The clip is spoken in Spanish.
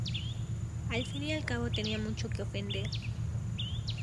Al fin y al cabo tenía mucho que ofrecer.